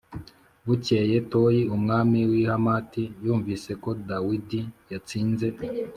Bukeye Toyi umwami w’i Hamati yumvise ko Dawidi yatsinze